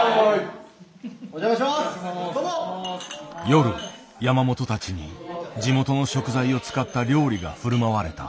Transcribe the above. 夜山本たちに地元の食材を使った料理が振る舞われた。